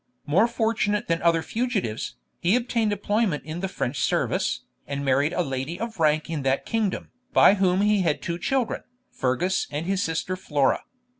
More fortunate than other fugitives, he obtained employment in the French service, and married a lady of rank in that kingdom, by whom he had two children, Fergus and his sister Flora.